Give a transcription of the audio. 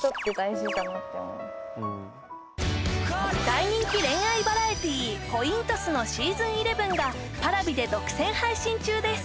大人気恋愛バラエティ「恋んトス」のｓｅａｓｏｎ１１がＰａｒａｖｉで独占配信中です